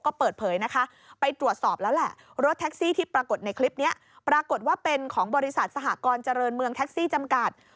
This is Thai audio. ก็เปิดเผยนะคะ